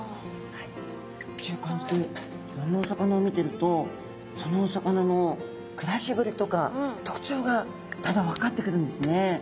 ていうかんじでいろんなお魚を見てるとそのお魚のくらしぶりとかとくちょうがだんだん分かってくるんですね。